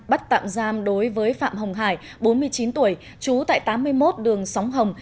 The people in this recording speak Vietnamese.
bắt tạm giam đối với phạm hồng hải bốn mươi chín tuổi trú tại tám mươi một đường sóng hồng